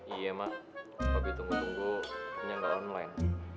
iya mak robby tunggu tunggu punya galon lain